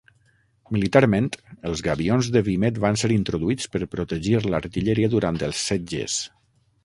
Militarment, els gabions de vímet van ser introduïts per protegir l'artilleria durant els setges.